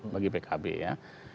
bagi pkb ya